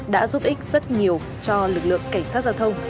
đã giúp ích rất nhiều cho lực lượng cảnh sát giao thông